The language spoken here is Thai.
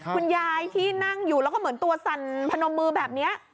คุณยายที่นั่งอยู่แล้วก็เหมือนตัวสั่นพนมมือแบบนี้